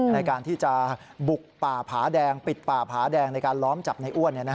ในการที่จะบุกป่าผาแดงปิดป่าผาแดงในการล้อมจับในอ้วน